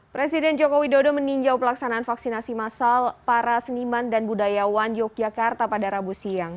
presiden joko widodo meninjau pelaksanaan vaksinasi masal para seniman dan budayawan yogyakarta pada rabu siang